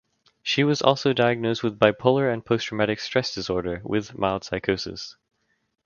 She was also Diagnosed with bipolar and post traumatic stress disorder with mild psychosis.